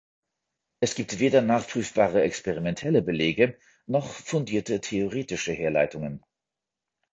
Es gibt weder nachprüfbare experimentelle Belege noch fundierte theoretische Herleitungen.